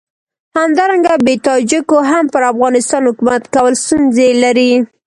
همدارنګه بې تاجکو هم پر افغانستان حکومت کول ستونزې لري.